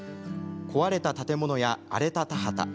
壊れた建物や荒れた田畑。